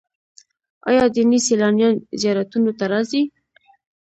آیا دیني سیلانیان زیارتونو ته راځي؟